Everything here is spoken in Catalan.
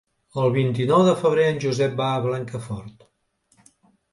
El vint-i-nou de febrer en Josep va a Blancafort.